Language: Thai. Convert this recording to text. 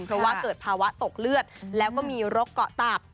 เพราะว่าเกิดภาวะตกเลือดแล้วก็มีรกเกาะตับ